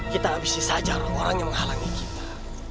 kita habisi sahaja orang yang menghalangi kita